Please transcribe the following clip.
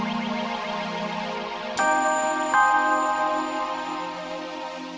hanya seorang polygamik tetapi belinaarch